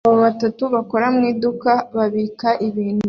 Abagabo batatu bakora mu iduka babika ibintu